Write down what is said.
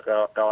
itu sudah ada